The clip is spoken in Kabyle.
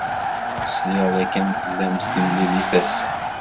Sliɣ dakken tlam timlilit ass-a.